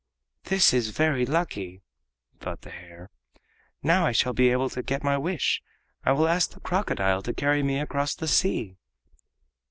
"This is very lucky!" thought the hare. "Now I shall be able to get my wish. I will ask the crocodile to carry me across the sea!"